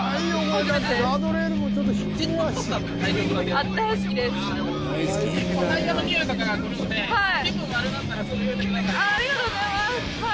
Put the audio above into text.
あっありがとうございますはい。